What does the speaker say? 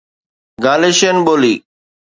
گاليشين ٻولي